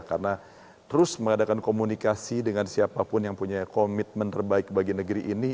karena terus mengadakan komunikasi dengan siapapun yang punya komitmen terbaik bagi negeri ini